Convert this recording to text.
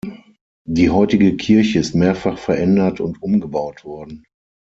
Die heutige Kirche ist mehrfach verändert und umgebaut worden.